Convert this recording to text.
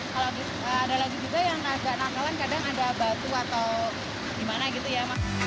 kalau ada lagi juga yang agak nakalan kadang ada batu atau gimana gitu ya